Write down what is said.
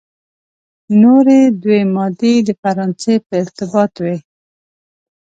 نوري دوې مادې د فرانسې په ارتباط وې.